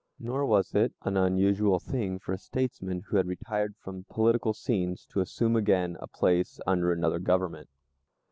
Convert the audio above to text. Nor was it an unusual thing for a statesman who had retired from political scenes to assume again a place under another government.